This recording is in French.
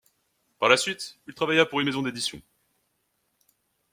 Par la suite il travailla pour une maison d’édition.